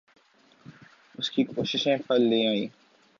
اس کی کوششیں پھل لے آئیں۔